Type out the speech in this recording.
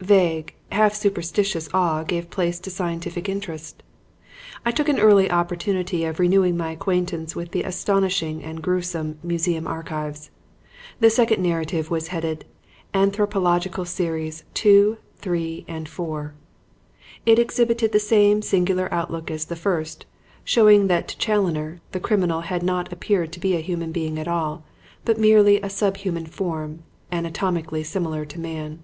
Vague, half superstitious awe gave place to scientific interest. I took an early opportunity of renewing my acquaintance with the astonishing and gruesome "Museum Archives." The second narrative was headed "Anthropological Series, 2, 3 and 4." It exhibited the same singular outlook as the first, showing that to Challoner the criminal had not appeared to be a human being at all, but merely a sub human form, anatomically similar to man.